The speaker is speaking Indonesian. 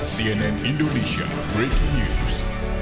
cnn indonesia breaking news